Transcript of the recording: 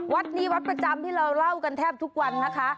วัดนี้วัดประจำที่เราเล่ากันแทบทุกวันนะคะ